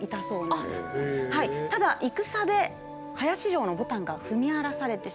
ただ戦で林城の牡丹が踏み荒らされてしまう。